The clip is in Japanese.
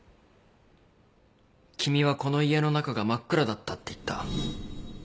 君はこの家の中が真っ暗だったって言った。